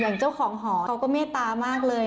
เจ้าของหอเขาก็เมตตามากเลย